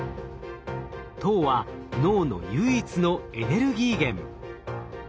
糖は脳の唯一のエネルギー源。